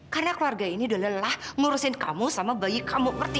karena keluarga ini udah lelah ngurusin kamu sama bayi kamu ngerti